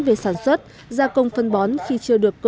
về sản xuất gia công phân bón khi chưa được cơ bản